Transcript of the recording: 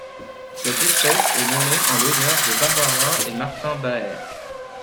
Cette espèce est nommée en l'honneur de Barbara et Martin Baehr.